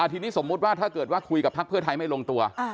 ทีนี้สมมุติว่าถ้าเกิดว่าคุยกับพักเพื่อไทยไม่ลงตัว